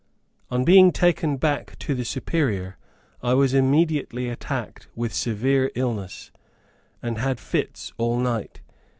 On being taken back to the Superior, I was immediately attacked with severe illness, and had fits all night.